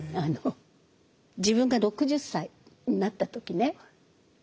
自分が６０歳になった時ね